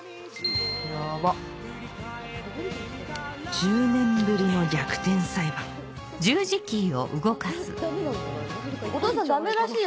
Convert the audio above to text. １０年ぶりの『逆転裁判』お父さんダメらしいよ